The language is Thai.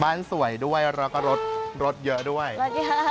บ้านสวยด้วยแล้วก็รถเยอะด้วยรถเยอะ